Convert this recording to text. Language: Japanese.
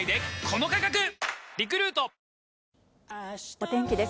お天気です。